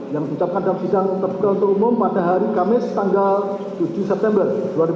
yang ditutupkan dalam sidang terperangkat umum pada hari kamis tanggal tujuh september dua ribu dua puluh tiga